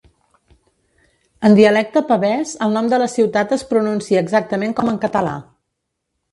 En dialecte pavès, el nom de la ciutat es pronuncia exactament com en català.